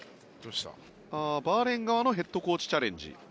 バーレーン側のヘッドコーチチャレンジ。